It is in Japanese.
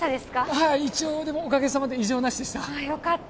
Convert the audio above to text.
はい一応でもおかげさまで異常なしでしたああよかった